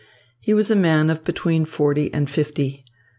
He was a man of between forty and fifty.